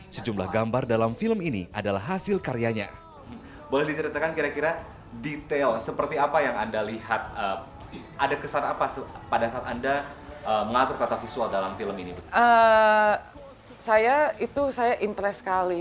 sejumlah gambar dalam film ini adalah hasil karyanya